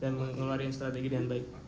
dan ngeluarin strategi dengan baik